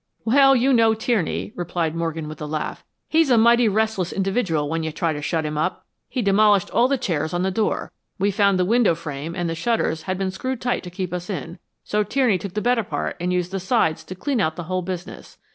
"Well, you know Tierney," replied Morgan, with a laugh. "He's a mighty restless individual when you try to shut him up. He demolished all the chairs on the door. We found the window frame and the shutters had been screwed tight to keep us in, so Tierney took the bed apart and used the sides to clean out the whole business.